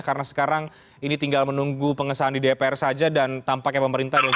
karena sekarang ini tinggal menunggu pengesahan di dpr saja dan tampaknya pemerintah